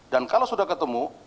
dan kalau sudah ketemu